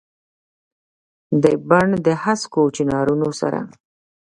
دبڼ دهسکو چنارونو سره ،